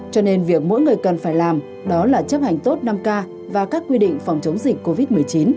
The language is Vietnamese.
cho nên việc mỗi người cần phải làm đó là chấp hành tốt năm k và các quy định phòng chống dịch covid một mươi chín